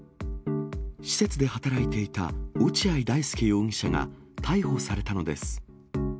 施設で働いていた落合大丞容疑者が逮捕されたのです。